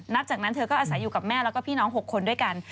จากนั้นเธอก็อาศัยอยู่กับแม่แล้วก็พี่น้อง๖คนด้วยกัน